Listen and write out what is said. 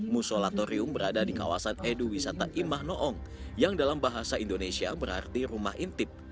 musolatorium berada di kawasan edu wisata imah noong yang dalam bahasa indonesia berarti rumah intip